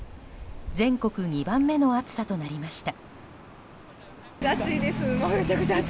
全国２番目の暑さとなりました。